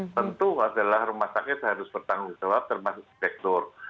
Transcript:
tentu adalah rumah sakit harus bertanggung jawab termasuk direktur